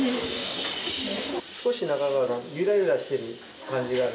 少しゆらゆらしてる感じがある。